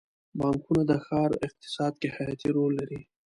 بانکونه د ښار اقتصاد کې حیاتي رول لري.